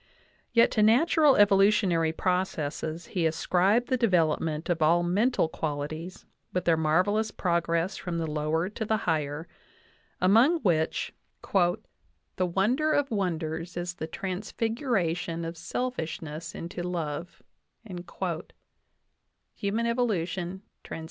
Yet to natural evolutionary processes he ascribed the develop ment of all mental qualities, with their marvelous progress from the lower to the higher, among which "the wonder of 70 JOHN WESLEY POWELL DAVIS wonders is the transfiguration of selfishness into love" (Human Evolution, Trans.